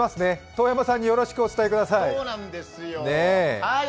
遠山さんによろしくお伝えください。